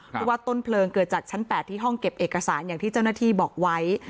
เพราะว่าต้นเพลิงเกิดจากชั้น๘ที่ห้องเก็บเอกสารอย่างที่เจ้าหน้าที่บอกไว้